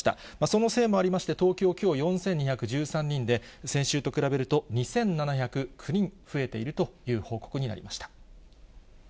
そのせいもありまして、東京、きょうは４２１３人で、先週と比べると２７０９人増えているという報告になりました。